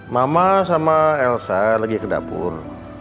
mama sama elsa lagi ke dapur